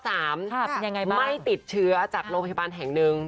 ค่ะเป็นยังไงบ้างไม่ติดเชื้อจากโรงพยาบาลแห่งหนึ่ง